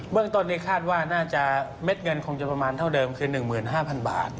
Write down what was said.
เรื่องต้นนี้คาดว่าน่าจะเม็ดเงินคงจะประมาณเท่าเดิมคือ๑๕๐๐๐บาท